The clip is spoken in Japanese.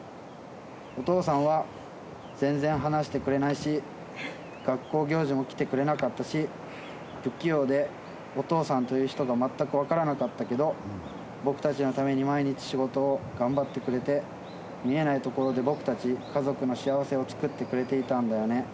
お父さんは全然話してくれないし学校行事も来てくれなかったし不器用でお父さんという人が全く分からなかったけど僕たちのために毎日仕事を頑張ってくれて見えないところで僕たち家族の幸せを作ってくれていたんだよね。